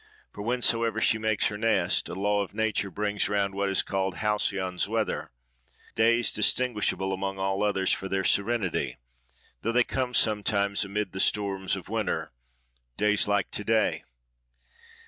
For whensoever she makes her nest, a law of nature brings round what is called Halcyon's weather,—days distinguishable among all others for their serenity, though they come sometimes amid the storms of winter—days like to day!